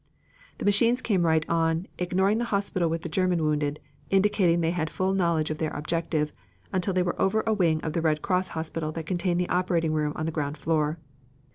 "The machines came right on, ignoring the hospital with the German wounded, indicating they had full knowledge of their objective, until they were over a wing of the Red Cross hospital that contained the operating room on the ground floor.